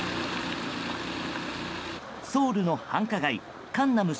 ソウルの繁華街カンナム